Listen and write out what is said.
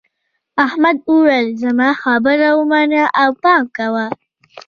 احمد وویل زما خبره ومنه او پام کوه.